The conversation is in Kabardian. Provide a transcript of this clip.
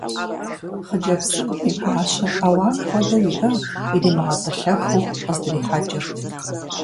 Хъыджэбз цӏыкӏум и гуащэр ӏэуам хуэдэу иӏыгът, иримыгъэтӏылъэху къыздрихьэкӏырт.